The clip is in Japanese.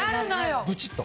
ブチっと。